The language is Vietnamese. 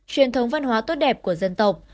truyền thống văn hóa tốt đẹp của dân tộc